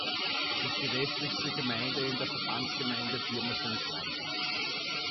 Es ist die westlichste Gemeinde in der Verbandsgemeinde Pirmasens-Land.